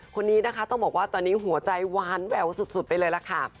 คนนี้นะคะต้องบอกว่าตอนนี้หัวใจหวานแววสุดไปเลยล่ะค่ะ